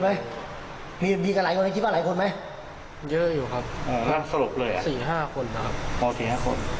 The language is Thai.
ผมก็สีเขากลับบ้านอยู่เลย